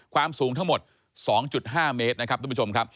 ความสูงทั้งหมด๒๕เมตรนะครับทุกผู้ชมครับ